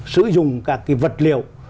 sử dụng các cái vật liều